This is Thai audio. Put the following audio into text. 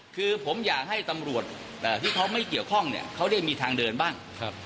คือผมอยากให้ตำรวจที่เขาไม่เกี่ยวข้องเนี่ยเขาได้มีทางเดินบ้าง